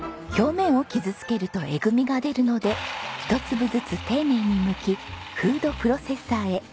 表面を傷つけるとえぐみが出るのでひと粒ずつ丁寧にむきフードプロセッサーへ。